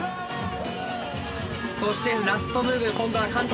そしてラストムーブ今度は韓国。